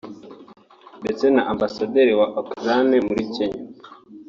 ndetse na Ambasaderi wa Ukraine muri Kenya